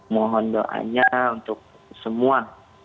mohon doanya untuk semua